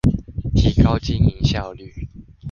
提高經營效率